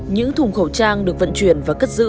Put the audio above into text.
những thùng khẩu trang được vận chuyển và cất giữ